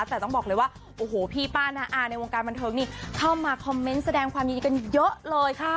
แต่ต้องบอกเลยว่าโอ้โหพี่ป้าน้าอาในวงการบันเทิงนี่เข้ามาคอมเมนต์แสดงความยินดีกันเยอะเลยค่ะ